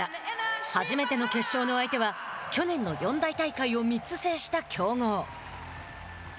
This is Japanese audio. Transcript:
初めての決勝の相手は去年の四大大会を３つ制した強豪。